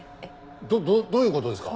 どどういう事ですか？